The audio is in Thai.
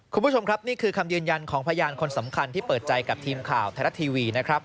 คุณผู้ชมครับนี่คือคำยืนยันของพยานคนสำคัญที่เปิดใจกับทีมข่าวไทยรัฐทีวีนะครับ